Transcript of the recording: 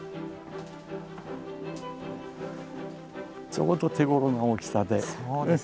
ちょうど手ごろな大きさで。